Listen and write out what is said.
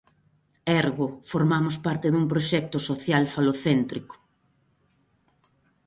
Ergo, formamos parte dun proxecto social falocéntrico.